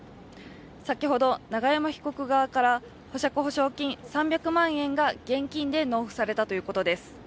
先ほど永山被告側から保釈保証金３００万円が現金で納付されたということです。